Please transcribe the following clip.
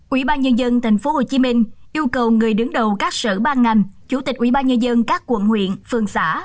ubnd tp hcm yêu cầu người đứng đầu các sở ban ngành chủ tịch ubnd các quận huyện phường xã